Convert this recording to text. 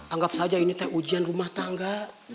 anggap saja ini teh ujian rumah tangga